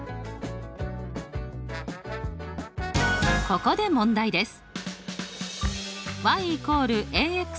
ここで問題です。